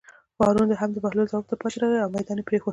هارون هم د بهلول ځواب ته پاتې راغی او مېدان یې پرېښود.